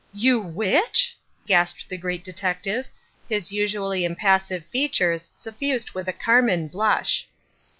"You which?" gasped the Great Detective, his usually impassive features suffused with a carmine blush.